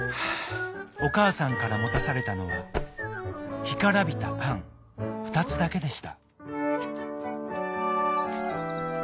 おかあさんからもたされたのはひからびたパンふたつだけでした。